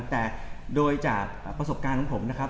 แต่โดยจากประสบการณ์ของผมนะครับ